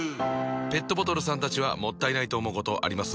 ペットボトルさんたちはもったいないと思うことあります？